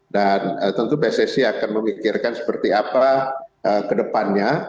dan tentu pssi akan memikirkan seperti apa ke depannya